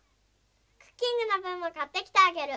クッキングのぶんもかってきてあげる。